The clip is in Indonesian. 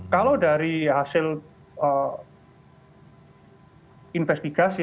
kalau dari hasil investigasi